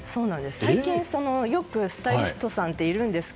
最近、よくスタイリストさんっているんですか？